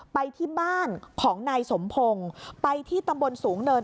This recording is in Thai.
ไปที่บ้านของนายสมพงศ์ไปที่ตำบลสูงเนิน